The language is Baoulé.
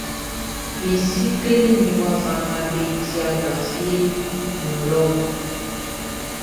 Mi si kleli min wafa nga be di agba fieʼn nun lɔʼn.